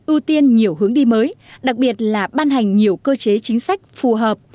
ưu tiên nhiều hướng đi mới đặc biệt là ban hành nhiều cơ chế chính sách phù hợp